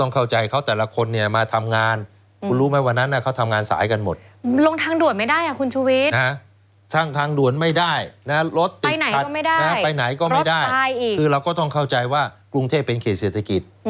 คือเราก็ต้องเข้าใจว่ากรุงเทพเป็นเขตเศรษฐกิจ